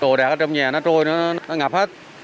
đồ đạc ở trong nhà nó trôi nữa nó ngập hết